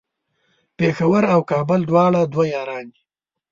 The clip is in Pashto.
پیښور او کابل دواړه دوه یاران دی